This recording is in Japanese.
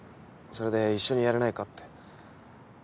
それで一緒にやらないかって。